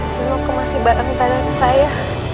silahkan kemasi barang barang saya